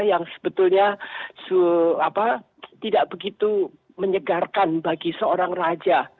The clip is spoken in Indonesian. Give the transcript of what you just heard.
yang sebetulnya tidak begitu menyegarkan bagi seorang raja